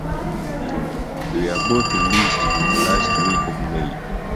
They were both released in the last week of May.